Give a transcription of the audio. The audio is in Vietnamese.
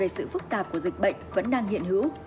sự phức tạp của dịch bệnh vẫn đang hiện hữu